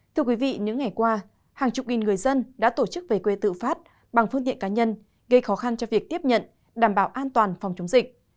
thưa quý vị những ngày qua hàng chục nghìn người dân đã tổ chức về quê tự phát bằng phương tiện cá nhân gây khó khăn cho việc tiếp nhận đảm bảo an toàn phòng chống dịch